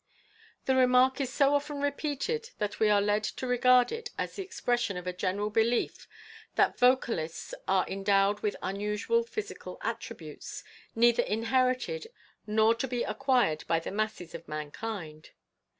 The remark is so often repeated, that we are led to regard it as the expression of a general belief that vocalists are en dowed with unusual physical attributes, neither inherited nor to be acquired by the masses of mankind.